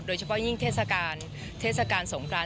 โดยเฉพาะยิ่งเทศกาลสงคราน